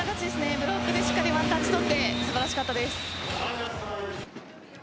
ブロックでしっかりワンタッチ取って素晴らしかったです。